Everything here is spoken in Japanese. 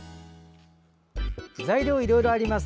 材料いろいろあります。